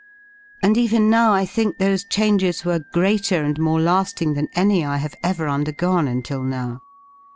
And even now I think those changes were greater and more lading than any I have ever undergone until now.